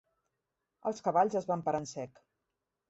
Els cavalls es van parar en sec.